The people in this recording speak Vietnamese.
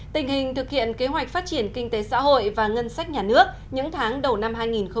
tình hình thực hiện kế hoạch phát triển kinh tế xã hội và ngân sách nhà nước những tháng đầu năm hai nghìn một mươi chín